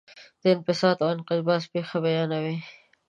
د انبساط او انقباض پېښه بیانوي.